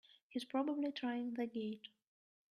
He's probably trying the gate!